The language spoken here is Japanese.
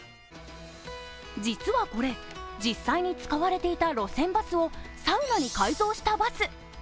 実はこれ、実際に使われていた路線バスをサウナに改造したバス。